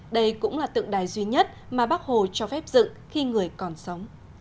đây cũng là tượng đài duy nhất mà bác hồ cho phép dựng khi người còn sống